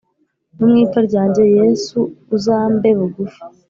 No mu ipfa ryanjye yesu uzambe bugufi